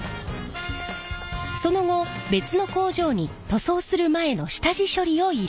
その後別の工場に塗装する前の下地処理を依頼。